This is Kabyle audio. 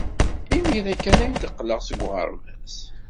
Imir-a kan ay d-qqleɣ seg uɣerbaz.